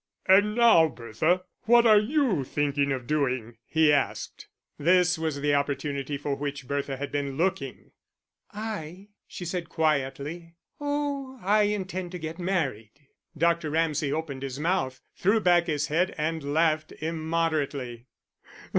"And now, Bertha, what are you thinking of doing?" he asked. This was the opportunity for which Bertha had been looking. "I?" she said quietly "Oh, I intend to get married." Dr. Ramsay, opening his mouth, threw back his head and laughed immoderately.